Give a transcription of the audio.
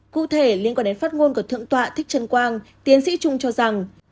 cụ thể liên quan đến phát ngôn của thượng tọa thích trân quang tiến sĩ trung cho rằng